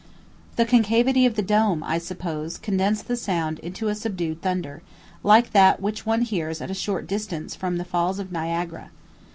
The concavity of the dome, I suppose, condensed the sound into a subdued thunder, like that which one hears at a short distance from the Falls of Niagara.